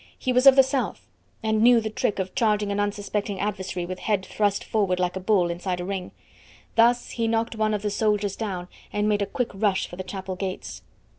He was of the South, and knew the trick of charging an unsuspecting adversary with head thrust forward like a bull inside a ring. Thus he knocked one of the soldiers down and made a quick rush for the chapel gates.